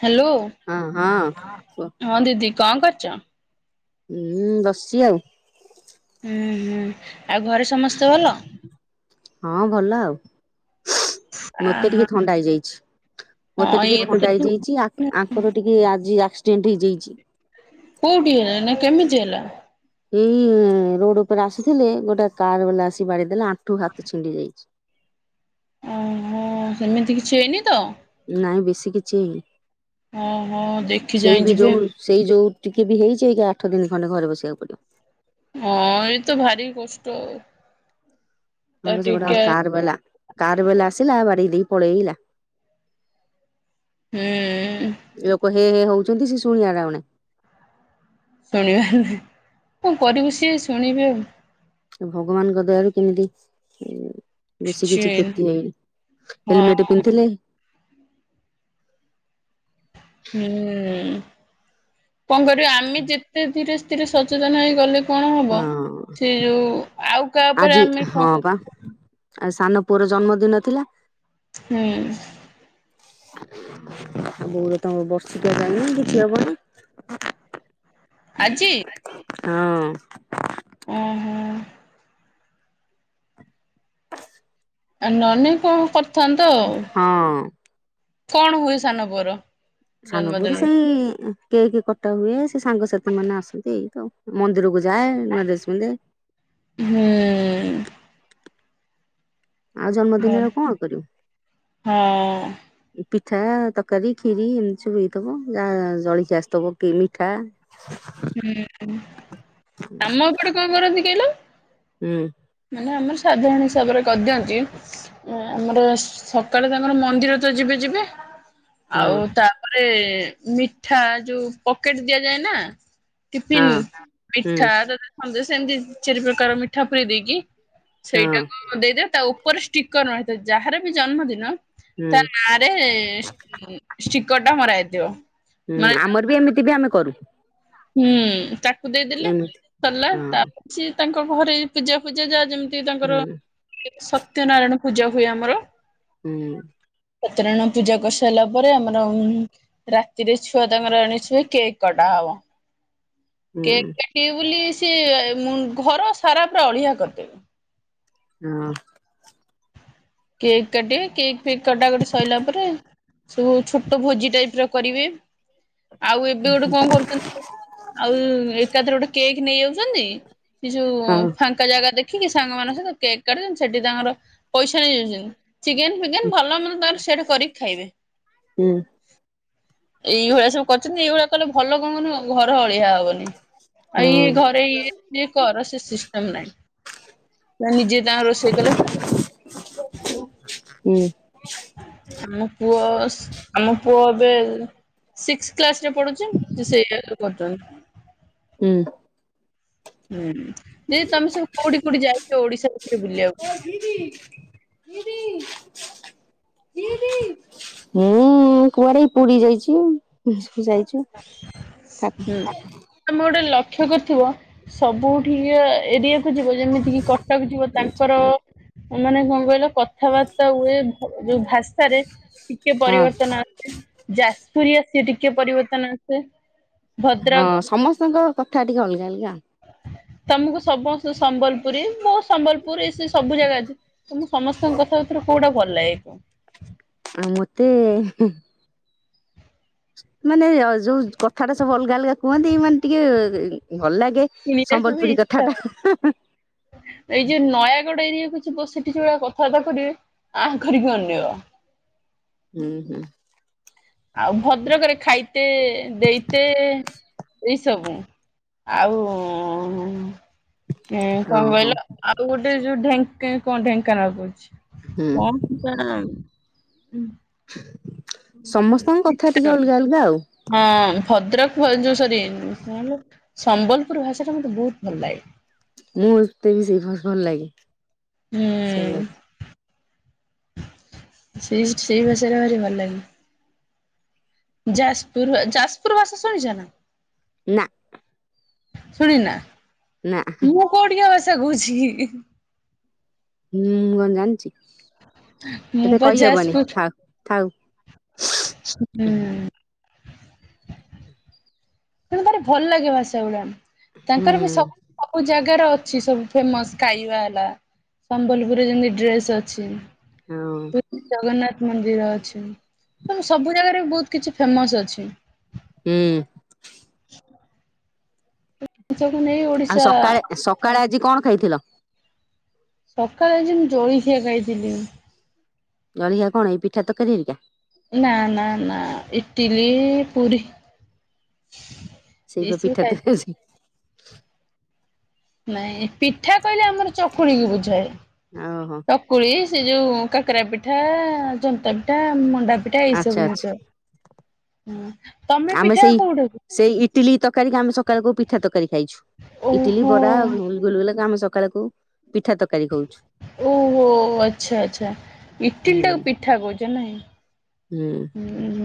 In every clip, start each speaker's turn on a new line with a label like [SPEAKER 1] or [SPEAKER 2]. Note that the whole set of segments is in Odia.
[SPEAKER 1] ହ୍ୟାଲୋ
[SPEAKER 2] ହଁ ହଁ କୁହ
[SPEAKER 1] ହଁ ଦିଦି! କାଁ ଘଛ?
[SPEAKER 2] ହୁଁ ବସିଛି ଆଉ!
[SPEAKER 1] ହୁଁ ହୁଁ ଆଉ ଘରେ ସମସ୍ତେ ଭଲ।
[SPEAKER 2] ହଁ ଭଲ ଆଉ ମତେ
[SPEAKER 1] ଆହା
[SPEAKER 2] ଟିକେ ଥଣ୍ଡା ହେଇଯାଇଛି। ମତେ
[SPEAKER 1] ହଁ
[SPEAKER 2] ଟିକେ
[SPEAKER 1] ଇଏ ତ
[SPEAKER 2] ଥଣ୍ଡା ହେଇଯାଇଛି ଆଙ୍କର ଟିକେ ଆଜି ଆକ୍ସିଡେଣ୍ଟ ହେଇଯାଇଛି।
[SPEAKER 1] ହେ ନା କେମିତି ହେଲା!
[SPEAKER 2] ଏଇ ରୋଡ ଉପରେ ଆସିଥିଲେ ଗୋଟେ କାର ବାଲା ଆସି ବାଡି ଦେେଲେ ଆଣ୍ଠୁ ହାତ ଛିଣ୍ଡି ଯାଇଛି
[SPEAKER 1] ଓହୋ ସେମିତି କିଛି ହୁଏନି ତ
[SPEAKER 2] ନାଇଁ ବେଶୀ କିଛିଇ।
[SPEAKER 1] ଓହୋ ଦେଖି ଚାହିଁ
[SPEAKER 2] ସେଇ ବି
[SPEAKER 1] ଯିବେ
[SPEAKER 2] ଯୋଉ ସେଇ ଯୋଉ ଟିକେ ବି ହେଇଛିଇ। ଆଠ ଦିନ ଖଣ୍ଡେ ଘରେ ବସିବାକୁ ପଡିବ।
[SPEAKER 1] ହଁ ଏ ତ ଭାରି କଷ୍ଟ। ତ
[SPEAKER 2] ଆଉଛ ଗୋଟେ
[SPEAKER 1] ଟିକେ
[SPEAKER 2] କାରବେଲା କାରବେଲା ଆସିଲା ବାାର ଦେଇ ପଳେଇଲା।
[SPEAKER 1] ହୁଁ
[SPEAKER 2] ଲୋକ ହେ ହେ ହଉଛନ୍ତି ସେ ଶୁଣଆାର ଆଣେ!
[SPEAKER 1] ଶୁଣିବାର ନାଁ କଣ କରିବୁ ସିଏ ଶୁଣିବେ ଆଉ।
[SPEAKER 2] ଭଗବାନଙ୍କ ଦୟାରୁ କେମିତି? ବେଶୀ କିଛି କ୍ଷତି ନାଇନ
[SPEAKER 1] ହଁ
[SPEAKER 2] ହେଲମେଟ ପିନ୍ଧଥିଲେ।
[SPEAKER 1] ହୁଁ! କଣ କର ଆମେ ଯେତେ ଧୀରେ ଧୀରେ ସଚେତନ ହେଇଗଲେ? କଣ ହବ
[SPEAKER 2] ହଁ
[SPEAKER 1] ସେ ଯୋଉ ଆଉ କାହା ଉପରେ ଆମେ କଣ କର?
[SPEAKER 2] ଆଉ ସାନ ପୁଅର ଜନ୍ମଦିନ ଥିଲା।
[SPEAKER 1] ହୁଁ!
[SPEAKER 2] ଆ ବଉ ତମର ବର୍ଷିକା ଯାଇନି ଦେଠ ହବ!
[SPEAKER 1] ଆଜି!
[SPEAKER 2] ହଁ!
[SPEAKER 1] ଓ ହୋ! ଆ ନନେ କଣ? କରିଥାନ୍ତ ଆଉ
[SPEAKER 2] ହଁ!
[SPEAKER 1] କଣ ହୁଏ ସାନ ପୋର?
[SPEAKER 2] ସାନପୁର ସେଇ କେହି କି କଟା ହୁଏ ସେ ସାଙ୍ଗସାଥି ମାନେ ଆସନ୍ତି ଏଇ ଆଉ। ମନ୍ଦିରକୁ ଯାଏ ନୂଆଶମନ୍ଦେ!
[SPEAKER 1] ହୁଁ
[SPEAKER 2] ଆଉ
[SPEAKER 1] ଭଲ
[SPEAKER 2] ଜନ୍ମଦିନରେ କଣ କରିବୁ?
[SPEAKER 1] ହଁ
[SPEAKER 2] ପିଠା ତରକାରୀ ଖିରି ଏମିତି ସବୁ ହେଇଥିବ ଯାହା ଜଳି ଆସିଥବ କି ମିଠା?
[SPEAKER 1] ହୁଁ ଆମ ଏପଟେ କଣ କରନ୍ତି କହିଲ?
[SPEAKER 2] ହୁଁ
[SPEAKER 1] ମାନେ ଆମର! ସାଧାରଣ ହିସାବରେ କରିଦିଅନ୍ତି ଉଁ ଆମର ସକାଳେ ତାଙ୍କର ମନ୍ଦିର ତ ଯିବେ ଯିବେ।
[SPEAKER 2] ହଁ
[SPEAKER 1] ଆଉ ତାପରେ ମିଠା ଯୋଉ ପକେଟ ଦିଆଯାଏ ନା
[SPEAKER 2] ହଁ
[SPEAKER 1] ଟିଫନ୍
[SPEAKER 2] ହୁଁ
[SPEAKER 1] ମିଠା ତ ସନ୍ଦେସ ଏମିତି ଚାରି ପ୍ରକାର ମିଠା ପୁରେଇ ଦେଇକି
[SPEAKER 2] ହଁ
[SPEAKER 1] ସେଇଟାକୁ ଦେଇଦେବେ ତା ଉପରେ ଷ୍ଟିକର ରହିଥାଉ ଯାହାର ବି ଜନ୍ମଦିନ।
[SPEAKER 2] ହୁଁ
[SPEAKER 1] ତା ନାରେ ଏ ଷ୍ଟିକରଟା ମରା ହେଇଥିବ।
[SPEAKER 2] ହୁଁ ଆମର ବି ଏମିତି ବି ଆମେ କରୁ।
[SPEAKER 1] ହୁଁ ତାକୁ ଦେଇଦେଲେ
[SPEAKER 2] ଏମିତି
[SPEAKER 1] ସରିଲ
[SPEAKER 2] ହଁ
[SPEAKER 1] ତା ପରେ ସିଏ ତାଙ୍କ ଘରେ ପୂଜା ଫୂଜା ଯାହା ଯେମିତି
[SPEAKER 2] ହୁଁ
[SPEAKER 1] ତାଙ୍କର ସତ୍ୟନାରାୟଣ ପୂଜା ହୁଏ ଆମର।
[SPEAKER 2] ହୁଁ।
[SPEAKER 1] ସତରଣ ପୂଜା କରିସାରିଲା ପରେ ଆମର ଉଁ ରାତିରେ ଛୁଆ ତାଙ୍କର ଆଣି ଆସିବେ କେକ୍ କଟା ହବ।
[SPEAKER 2] ହୁଁ
[SPEAKER 1] କେକ୍ କାଟିବେ ବୋଲି ସେ ମୁଁ ଘର ସାରା ପରା ଅଳିଆ କରିଦେବେ।
[SPEAKER 2] ହଁ।
[SPEAKER 1] କେକ୍ କାଟିବେ କେକ୍ ଫେକ କଟାକଟି ସଇଲା ପରେ ସବୁ ଛୋଟ ଭୋଜି ଟାଇପର କରିବେ ଆଉ ଏବେ ଗୋଟେ କଣ କରୁଛନ୍ତି। ଆଉ ଏକାଥରେ ଗୋଟେ କେକ୍ ନେଇ ଯାଉଛନ୍ତି ସେ ଯୋଉ
[SPEAKER 2] ହଁ।
[SPEAKER 1] ଫାଙ୍କା ଜାଗା ଦେଖିକି ସାଙ୍ଗ ମାନଙ୍କ ସହିତ କେକ୍ କାଟୁଛନ୍ତି ସେଠି ତାଙ୍କର ପଇସା ନେଇଯାଉଛନ୍ତି ଚିକେନ ଫିକେନ ଭଲ ମନ୍ଦ ତାଙ୍କର ସେଠି କରିକି ଖାଇବେ। ଏଇଭଳିଆ ସବୁ କରିଛନ୍ତି ଏଇଭଳିଆ କଲେ ଭଲ କଣ କହୁନ ଘର ଅଳିଆ ହବନି। ଆଇ ଇଏ ଘରେ ଇଏ ଫିଏ କର ସେ ସିଷ୍ଟମ ନାହିଁ। ନା ନିଜେ ତାଙ୍କ ରୋଷେଇ କଲେ
[SPEAKER 2] ହୁଁ।
[SPEAKER 1] ଆମ ପୁଅ ଆମ ପୁଅ ଏବେ ସିକ୍ସ କ୍ଲାସ ଯିଏ ପଡୁଛି ସେଇ କରୁଛନ୍ତି।
[SPEAKER 2] ହୁଁ।
[SPEAKER 1] ହୁଁ। ଯେ ତମେ ସବୁ କୋଉଠି କୋଉଠି ଯାଇଛ ଓଡିଶା ଭିତରେ ବୁଲିବାକୁ?
[SPEAKER 2] ହୁଁ କୁଆଡେ ପୁରୀ ଯାଇଛି ଉଁ ଯାଇଛି। ସବୁ
[SPEAKER 1] ହୁଁ।
[SPEAKER 2] ଆଜ୍ଞା।
[SPEAKER 1] ତମେ ଗୋଟେ ଲକ୍ଷ୍ୟ କରିଥିବ ସବୁଠି ଏରିଆକୁୁ ଯିବ ଯେମିତି କିି କଟକ ଯିବ ତାଙ୍କର ମାନେ କଣ କହିଲ? କଥାବାର୍ତ୍ତା ହୁଏ ଯୋଉ ଭାଷାରେ ଟିକେ ପରିବର୍ତ୍ତନ ଆସେ ଜାସ ସୂର୍ଆ ସିଏ ଟିକେ ପରିବର୍ତ୍ତନ ଆସେ।
[SPEAKER 2] ହଁ
[SPEAKER 1] ଭଦ୍ରକ
[SPEAKER 2] ସମସ୍ତଙ୍କ କଥା ଟିକେ ଅଲଗା ଅଲଗା।
[SPEAKER 1] ତମକୁ ସମସ୍ତ ସମ୍ବଲପୁରୀ ବହୁ ସମ୍ବଲପୁର ଏ ସେ ସବୁ ଜାଗା ଅଛି ତମ ସମସ୍ତଙ୍କ କଥାବାର୍ତ୍ତା ରୁ କୋଉଟା ଭଲ ଲାଗେ।
[SPEAKER 2] ଆଉ ମତେ ମାନେ ଯୋଉ କଥାଟା ସବୁ ଅଲଗା ଅଲଗା କୁହନ୍ତି ମାନେ ଟିକେ ଏଁ ଭଲ ଲାଗେ
[SPEAKER 1] କିଣିବାକୁ ବି
[SPEAKER 2] ସମ୍ବଲପୁରୀ
[SPEAKER 1] ଇଚ୍ଛା ହବ
[SPEAKER 2] କଥାଟା ହା ହା।
[SPEAKER 1] କିଛି ଗୋଟେ ଏରିଆ କିଛି ପଶି କିଛି ଗୋଟେ କଥାବାର୍ତ୍ତା କରିବେ ଆଁ କରିକି ଅନେଇବା।
[SPEAKER 2] ହୁଁ ହୁଁ।
[SPEAKER 1] ଆଉ ଭଦ୍ରକରେ ଖାଇତେ ଦେଇତେ ଏଇ ସବୁ ଆଉ ଉଁ କଣ
[SPEAKER 2] ଓହୋ
[SPEAKER 1] କହିଲ ଆଉ ଗୋଟେ ଯୋଉ ଢେଙ୍କା କଣ ଢେଙ୍କାନାଳ କହୁଛି।
[SPEAKER 2] ହୁଁ
[SPEAKER 1] କଣ [unintelligible]
[SPEAKER 2] ସମସ୍ତଙ୍କ କଥା ଟିକେ ଅଲଗା ଅଲଗା ଆଉ
[SPEAKER 1] [unintelligible] ହଁ। ଭଦ୍ରକ କୁ ଯୋଉ ସରି କଣଲୋ ସମ୍ବଲପୁର ଭାଷା ଟା ମତେ ବହୁତ ଭଲ ଲାଗେ।
[SPEAKER 2] ମୁଁ ତେବି ସେଇ ଭଲ ଲାଗେ
[SPEAKER 1] ହୁଁ
[SPEAKER 2] ଶୁଣିବା।
[SPEAKER 1] ସେଇ ସେଇ ଭାଷାରେ ଭାରି ଭଲ ଲାଗେ। ଯାଜପୁର ଯାଜପୁର ଭାଷା ଶୁଣିଛ ନା?
[SPEAKER 2] ନା।
[SPEAKER 1] ଶୁଣି ନା,
[SPEAKER 2] ନା
[SPEAKER 1] ମୁଁ କୋଉଠିକା ଭାଷା କହୁଛି କି?
[SPEAKER 2] ହୁଁ କଣ ଜାଣିଛି।
[SPEAKER 1] ମୁଁ
[SPEAKER 2] ଏତେ
[SPEAKER 1] ପା
[SPEAKER 2] କହି ହବନି।
[SPEAKER 1] ଯାଜପୁର
[SPEAKER 2] ଥାଉ, ଥାଉ।
[SPEAKER 1] ହୁଁ। ତେଣୁ ଭାରି ଭଲ ଲାଗେ ଭାଷା ଗୁଡା।
[SPEAKER 2] ହୁଁ
[SPEAKER 1] ତାଙ୍କର ବି ସବୁ, ସବୁ ଜାଗା ଜାଗାରେ ଅଛି, ସବୁ ଫେମସ ଖାଇବା ହେଲା। ସମ୍ବଲପୁରରେ ଯେମତି ଡ୍ରେସ୍ ଅଛି।
[SPEAKER 2] ହଁ
[SPEAKER 1] ପୁରୀ ଜଗନ୍ନାଥ ମନ୍ଦିର ଅଛି। ତ ସବୁ ଜାଗାରେ ବି ବହୁତ କିଛି ଫେମସ ଅଛି।
[SPEAKER 2] ହୁଁ।
[SPEAKER 1] ସବୁ ନେଇ
[SPEAKER 2] ଆଉ
[SPEAKER 1] ଓଡିଶା
[SPEAKER 2] ସକାଳେ, ସକାଳେ ଆଜି କଣ ଖାଇଥିଲ?
[SPEAKER 1] ସକାଳେ ଆଜି, ମୁଁ ଜଳିଖିଆ ଖାଇଥିଲି।
[SPEAKER 2] ଜଳଖିଆ କଣ ଏଇ ପିଠା ତରକାରି ହେରିକା?
[SPEAKER 1] ନା, ନା, ନା ଇଟଲି ପୁରୀ।
[SPEAKER 2] ସେଇ ପା
[SPEAKER 1] ଏସବୁ
[SPEAKER 2] ପିଠା
[SPEAKER 1] ଖାଇଥିଲି।
[SPEAKER 2] ତରକାରୀ ଅଛି।
[SPEAKER 1] ନାଇଁ, ପିଠା କହିଲେ ଆମର ଚକୁଳିି କୁ ବୁଝାଏ।
[SPEAKER 2] ଓହୋ
[SPEAKER 1] ଚକୁଳି ସେ ଯୋଉ କାକରା ପିଠା, ଜନ୍ତା ପିଠା, ମଣ୍ଡା ପିଠା ଏଇ
[SPEAKER 2] ଆଚ୍ଛା
[SPEAKER 1] ସବୁ
[SPEAKER 2] ଆଚ୍ଛା
[SPEAKER 1] ଜିନିଷ। ହୁଁ। ତମେ
[SPEAKER 2] ଆମେ
[SPEAKER 1] ପିଠା
[SPEAKER 2] ସେଇ,
[SPEAKER 1] କୋଉଠୁ
[SPEAKER 2] ସେଇ ଇଟିଲି ତରକାରୀ, ଆମେ ସକାଳକୁ ପିଠା ତରକାରୀ ଖାଇଛୁ। ଇଟିଲି,
[SPEAKER 1] ଓହୋ।
[SPEAKER 2] ବରା, ଗୁଲଗୁଲାକୁ ଆମେ ସକାଳକୁ
[SPEAKER 1] ଓହୋ ଆଚ୍ଛା ଆଚ୍ଛା ଇଟିଲ
[SPEAKER 2] ହୁଁ
[SPEAKER 1] ଟାକୁ ପିଠା କହୁଚ, ନାଇଁ?
[SPEAKER 2] ହୁଁ।
[SPEAKER 1] ହୁଁ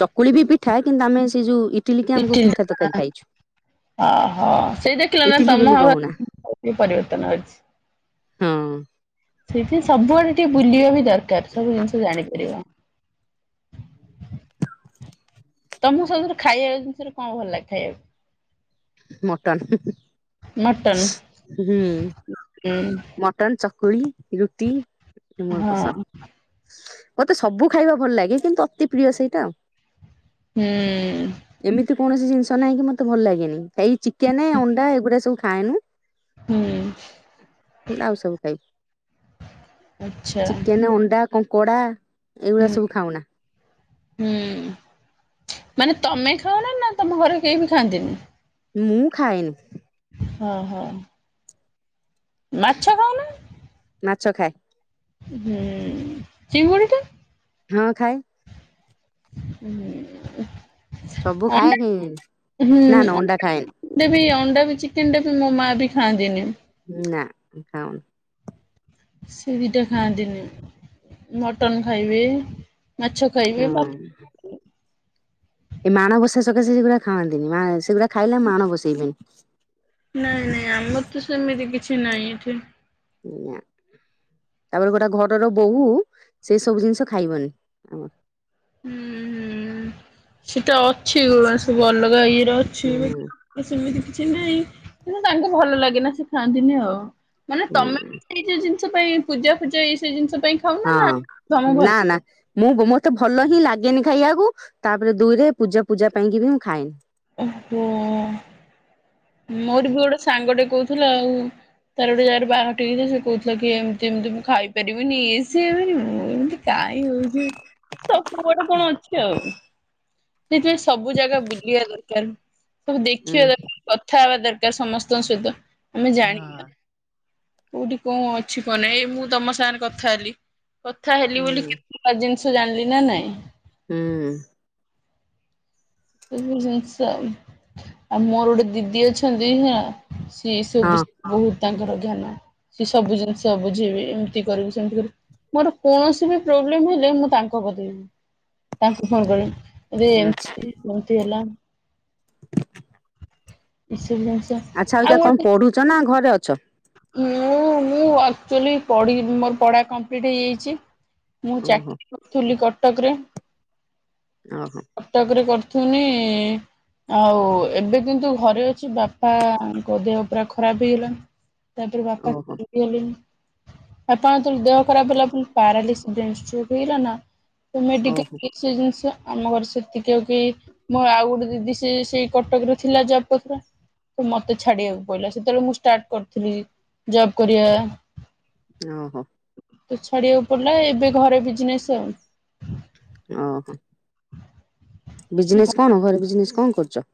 [SPEAKER 2] ଚକୁଳି ବି ପିଠା, କିନ୍ତୁ ଆମେ ସେଇ ଯୋଉ ଇ ଇଟିଲି କି ଆମକୁ ପିଠା ତରକାରୀ ଖାଇଚୁ।
[SPEAKER 1] ଓହୋ ସେଇ ଦେଖିଲ ନା
[SPEAKER 2] ବୋଲି
[SPEAKER 1] ତମ
[SPEAKER 2] କହୁନା
[SPEAKER 1] ପରିବର୍ତ୍ତନ ହଉଛି।
[SPEAKER 2] ହଁ।
[SPEAKER 1] ସେଥିପାଇଁ, ସବୁଆଡେ ଟିକେ ବୁଲିବା ବି ଦରକାର। ସବୁ ଜିନିଷ ଜାଣିପାରିବ।
[SPEAKER 2] [inaudible]
[SPEAKER 1] ତମକୁ ସତରେ ଖାଇବାକୁ ଜିନିଷରେ କଣ ଭଲ ଲାଗେ ଖାଇବାକୁ?
[SPEAKER 2] ମଟନ୍
[SPEAKER 1] ମଟନ
[SPEAKER 2] ହୁଁ
[SPEAKER 1] ହୁଁ
[SPEAKER 2] ମଟନ୍, ଚକୁ ଚକୁଳି, ରୁଟି ମୋର ପସନ୍ଦ।
[SPEAKER 1] ହଁ
[SPEAKER 2] ମୋତେ ସବୁ ଖାଇବା ଭଲ ଲାଗେ। କିନ୍ତୁ, ଅତି ପ୍ରିୟ ସେଇଟା ଆଉ।
[SPEAKER 1] ହୁଁ
[SPEAKER 2] ଏମିତି କୌଣସି ଜିନିଷ ନାହିଁ କି, ମତେ ଭଲ ଲାଗେନି। ଏଇ ଚିକେନ, ଅଣ୍ଡା, ଏଗୁଡା ସବୁ ଖାଏନୁ।
[SPEAKER 1] ହୁଁ
[SPEAKER 2] ଆଉ ସବୁ ଖାଇବୁ।
[SPEAKER 1] ଆଚ୍ଛା।
[SPEAKER 2] କଙ୍କଡ଼ା, ଏଇଗୁଡା
[SPEAKER 1] ହୁଁ
[SPEAKER 2] ସବୁ ଖାଉନା।
[SPEAKER 1] ହୁଁ, ମାନେ ତମେ ଖାଅ ନା ତମ ଘରେ କେହି ବି ଖାଆନ୍ତିନି?
[SPEAKER 2] ମୁଁ ଖାଏନି।
[SPEAKER 1] ଓ ହୋ। ମାଛ ଖାଉନ?
[SPEAKER 2] ମାଛ ଖାଏ।
[SPEAKER 1] ହୁଁ ଚିଙ୍ଗୁଡ଼ି ଟା?
[SPEAKER 2] ହଁ, ଖାଏ।
[SPEAKER 1] ଉଁ ହୁଁ ଉଁ।
[SPEAKER 2] ସବୁ ଖାଏ
[SPEAKER 1] ଅଣ୍ଡା
[SPEAKER 2] କି
[SPEAKER 1] ହୁଁ,
[SPEAKER 2] ନା ନା ଅଣ୍ଡା ଖାଏନି
[SPEAKER 1] ମୋତେ ବି ଚିକେନ ଟା ବି ମୋ ମା ବି ଖାଆନ୍ତିନି।
[SPEAKER 2] ହୁଁ, ନା ଖାଉନୁ।
[SPEAKER 1] ସେ ଦିଟା ଖାଆନ୍ତିନି। ମଟନ ଖାଇବେ। ମଛା ଖାଇବେ। ଭା
[SPEAKER 2] ହଁ। ଏ ମାଣ ବସା ସକାଶେ ସେଗୁଡା ଖାଆନ୍ତିନି। ମା ସେଗୁଡା ଖାଇଲେ ମାଣ ବସେଇବେନି।
[SPEAKER 1] ନାଇଁ, ନାଇଁ ଆମର ତ ସେମିତି କିଛି ନାହିଁ ଏଠି।
[SPEAKER 2] ନା। ତାପରେ ଗୋଟେ ଘରର ବୋହୂ ସେ ସବୁ ଜିନିଷ ଖାଇବନି ଆମର
[SPEAKER 1] ହୁଁ ହୁଁ ସେଟା ଅଛି ଗରୁ ସବୁ ଅଲଗା ଇଏ
[SPEAKER 2] ହୁଁ
[SPEAKER 1] ସେମିତି କିଛି ନାହିଁ କିନ୍ତୁ ତାଙ୍କୁ ଭଲ ଲାଗେ ନା ସେ ଖାଆନ୍ତିନି ଆଉ ମାନେ
[SPEAKER 2] ହୁଁ।
[SPEAKER 1] ତମେ ବି ସେଇ ଯୋଉ ଜିନିଷ ପାଇଁ ପୂଜା ଫୂଜା ଏଇ ଜିନିଷ ପାଇଁ ଖାଉନା
[SPEAKER 2] ହଁ
[SPEAKER 1] ନା ତମକୁ ଭଲ
[SPEAKER 2] ନା ନା ମୁଁ ମତେ ଭଲ ହିଁ ଲାଗେ। ଚିକେନ ଖାଇବାକୁ ତାପରେ ଦୁଇରେ ପୂଜା ପୂଜା ପାଇଁକି ବି ମୁଁ ଖାଏନି।
[SPEAKER 1] ଓହୋ ମୋର ବି ଗୋଟେ ସାଙ୍ଗ ଟେ କହୁଥିଲା ଆଉ। ତାର ଗୋଟେ ଯାହାର ବାହାଘର ଠିକ୍ ହେଇଯାଇଥିଲା ସେ କହୁଥିଲା କି ଏମିତି ଏମିତି ମୁଁ ଖାଇପାରିବିନି ଇଏ‌ ସିଏ ମୁଁ ଏତି କାଇଁ ହଉଛି ସବୁଆଡେ କଣ ଅଛି ଆଉ ସେଇଥିପାଇଁ ସବୁ ଜାଗା ବୁଲିବା ଦରକାର ସବୁ ଦେଖିବା
[SPEAKER 2] ହୁଁ
[SPEAKER 1] ଦରକାର କଥା ହବା ଦରକାର। ସମସ୍ତଙ୍କ ସହିତ ଆମେ ଜାଣିବା କୋଉଠି କଣ ଅଛି କଣ ନାହିଁ ଏଇ ମୁଁ ତମ ସାଙ୍ଗରେ କଥା ହେଲି କଥା ହେଲି ବୋଲି କେତେଟା ଜିନିଷ ଜାଣିଲି ନା ନାଇଁ।
[SPEAKER 2] ହୁଁ ‌
[SPEAKER 1] ସବୁ ଜିନିଷ ଆଉ ମୋର ଗୋଟେ ଦିଦି ଅଛନ୍ତି ହେଲା ସେ ସବୁ
[SPEAKER 2] ହଁ
[SPEAKER 1] ବହୁତ ତାଙ୍କର ଜ୍ଞାନ ସେ ସବୁ ଜିନିଷ ବୁଝେଇବେ ଏମିତି କରିବି ସେମିତି କରିବ ମୋର କୌଣସି ବି ପ୍ରୋବ୍ଲେମ ହେଲେ ମୁଁ ତାଙ୍କୁ ବତେଇବି ତାଙ୍କୁ ଫୋନ କରିବି ଏରେ ହେଲା। ଆ [inaudible]
[SPEAKER 2] ଆଚ୍ଛା ଆଉ ବିନିକା କଣ ପଢୁଛ ନା ଘରେ ଅଛ?
[SPEAKER 1] ମୁଁ ମୁଁ ଆକ୍ଚୁଆଲି ମୋର ପଢ଼ା କମ୍ପ୍ଲିଟ୍ ହେଇଯାଇଛି ମୁଁ
[SPEAKER 2] ଓହୋ
[SPEAKER 1] ଚାକିରୀ କରୁଥିଲି କଟକରେ
[SPEAKER 2] ଓହୋ
[SPEAKER 1] କଟକରେ ଫୁନେ ଆଉ ଏବେ କିନ୍ତୁ ଘରେ ଅଛି ବାପାଙ୍କ ଦେହ ପୁରା ଖରାପ ହେଇଗଲାଣି। ତାପରେ ବାପା
[SPEAKER 2] ଓହୋ
[SPEAKER 1] ଗଲେଣି ବାପାଙ୍କର ଯେତେବେଳେ ଦେହ ଖରାପ ହେଲା ପ୍ୟାରଲିସିଡେ ହେଇଗଲା ନା ତ ମେଡ଼ିକାଲ
[SPEAKER 2] ଓହୋ
[SPEAKER 1] ଡିସିଜନ୍ସ ଆମ ଘରେ ସେତିକି ଆଉ କି ମୁଁ ଆଉ ଗୋଟେ ଦିଦି ସେ ସେଇ କଟକ ର ଥିଲା ଜବ କରୁଥିଲା ତ ମତେ ଛାଡିବାକୁ ପଡିଲା ସେତେବେଳେ ମୁଁ ଷ୍ଟାର୍ଟ କରିଥିଲି ଜବ କରିବା
[SPEAKER 2] ଓ ହୋ।
[SPEAKER 1] ତ ଛାଡିବାକୁ ପଡିଲା ଏବେ ଘରେ ବିଜନେସ୍ ଆଉ
[SPEAKER 2] ଓହୋ। ବିଜନେସ କଣ ଘରେ ବିଜନେସ କଣ କରୁଛ?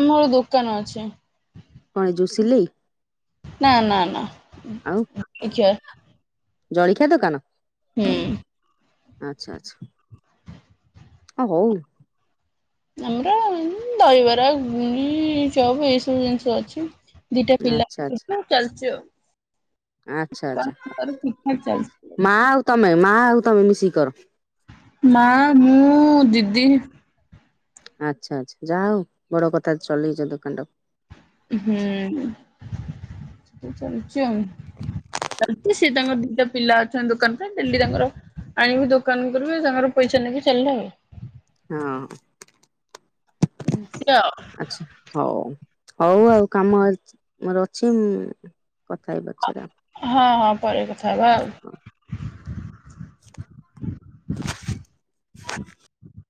[SPEAKER 1] ଆମର ଦୋକାନ ଅଛି।
[SPEAKER 2] କଣ ଯୋଉ ସିଲେଇ?
[SPEAKER 1] ନା ନା ନା କିଛି
[SPEAKER 2] ଜଳଖିଆ ଦୋକାନ?
[SPEAKER 1] ହୁଁ।
[SPEAKER 2] ଆଚ୍ଛା ଆଚ୍ଛା। ଆଉ ହଉ
[SPEAKER 1] ଆମର ଦହିବରା ଘୁଗୁନି ଚପ ଏଇ ସବୁ ଜିନିଷ ଅଛି। ଦିଟା ପିଲା
[SPEAKER 2] ଆଚ୍ଛା ଆଚ୍ଛା।
[SPEAKER 1] ଆଉ ଚାଲିଛି ଆଉ
[SPEAKER 2] ଆଚ୍ଛା ଆଚ୍ଛା
[SPEAKER 1] ତାର ଠିକ୍ ଠାକ୍ ଚାଲିଛି।
[SPEAKER 2] ମା ଆଉ ତମେ ମା ଆଉ ତମେ ମିଶିକି କର?
[SPEAKER 1] ମା ମୁଁ ଦିଦି।
[SPEAKER 2] ଆଚ୍ଛା ଆଚ୍ଛା ଯାହା ହଉ ବଡ କଥା ଚଲେଇଛ ଦୋକାନ ଟାକୁ।
[SPEAKER 1] ହୁଁ ସେ ଚାଲିଛି ଆଉ। ଚାଲିଛି ସେ ତାଙ୍କର ଦିଟା ପିଲା ଅଛନ୍ତି ଦୋକାନ ପାଇଁ ଡେଲି ତାଙ୍କର ଆଣିବି ଦୋକାନ କରି ବି। ଆ ସାଙ୍ଗର ପଇସା ନେଇକି ଚାଲିଲା।
[SPEAKER 2] ହଁ।
[SPEAKER 1] ହୁଁ।
[SPEAKER 2] ଆଚ୍ଛା ହଉ ହଉ ଆଉ କାମ ମୋର ଅଛି କଥା ହେବି ପଛରେ ଆଉ।
[SPEAKER 1] ହଁ ହଁ ପରେ କଥା ହବା ଆଉ।
[SPEAKER 2] [inaudible]